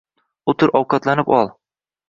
O‘tir, ovqatlanib ol.